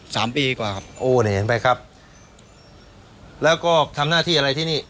สามปีกว่าครับโอ้นี่เห็นไหมครับแล้วก็ทำหน้าที่อะไรที่นี่